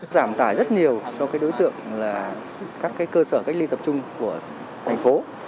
giảm tải rất nhiều cho đối tượng là các cơ sở cách ly tập trung của thành phố